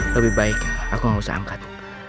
lebih baik aku gak usah angkat